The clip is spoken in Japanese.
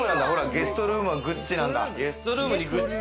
ゲストルームはグッチなんだ。